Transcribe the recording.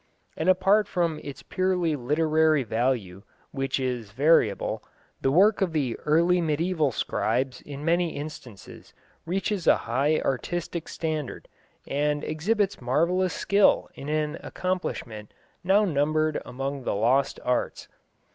And apart from its purely literary value, which is variable, the work of the early mediæval scribes in many instances reaches a high artistic standard, and exhibits marvellous skill in an accomplishment now numbered among the lost arts.